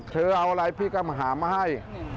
เธอเอาอะไรพี่ก็มาหามาให้